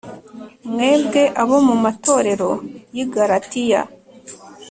mwebwe abo mu matorero y i Galatiya